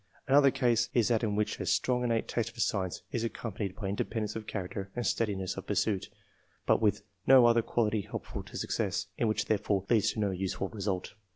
Another case, is that in which a strong innate taste for science is accompanied by independence of character and steadiness of pursuit, but with no other quality helpful to success, and which therefore leads to no useful result.